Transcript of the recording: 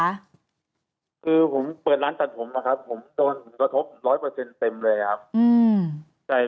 คือผมเปิดร้านตัดผมแล้วครับผมโดนกระทบ๑๐๐เต็มเลยครับ